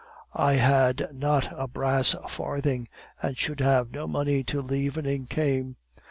"I had not a brass farthing, and should have no money till the evening came.